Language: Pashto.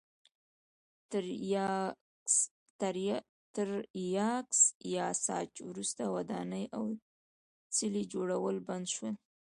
تر یاکس پاساج وروسته ودانۍ او څلي جوړول بند شول.